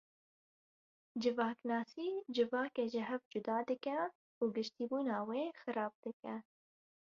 Civaknasî civakê ji hev cuda dike û giştîbûna wê xirab dike.